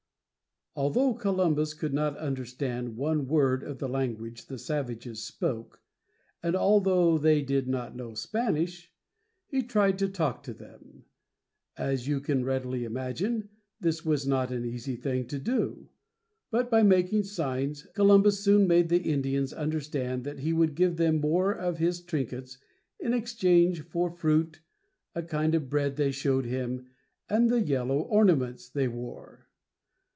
Although Columbus could not understand one word of the language the savages spoke, and although they did not know Spanish, he tried to talk to them. As you can readily imagine, this was not an easy thing to do; but by making signs, Columbus soon made the Indians understand that he would give them more of his trinkets in exchange for fruit, a kind of bread they showed him, and the yellow ornaments they wore.